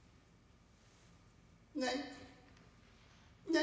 何。